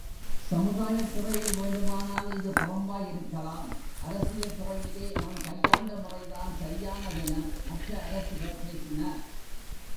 சமுதாயத்துறையில் வேண்டுமானால் இது புறம்பாயிருக்கலாம் அரசியல் துறையிலே அவன் கையாண்ட முறைதான் சரியானதென மற்ற அரசுகள் பேசின.